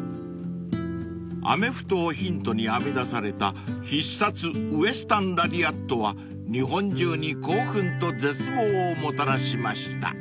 ［アメフトをヒントに編み出された必殺ウエスタン・ラリアットは日本中に興奮と絶望をもたらしました］